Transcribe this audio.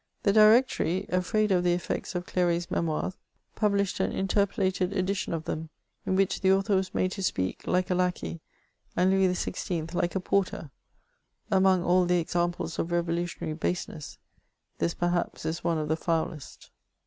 The Directory, afraid of the effects of Clery's MemoirSy published an interpolated edition of them, in which the author was made to speak like a lacquey, and Louis XVI. like a porter; among all the examples of reyolutionary baseness, this, perhaps, is one of the foulest.